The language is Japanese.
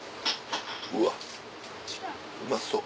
うわうまそう。